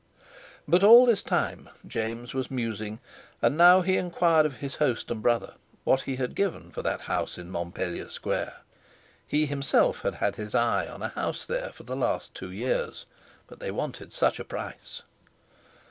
But all this time James was musing, and now he inquired of his host and brother what he had given for that house in Montpellier Square. He himself had had his eye on a house there for the last two years, but they wanted such a price.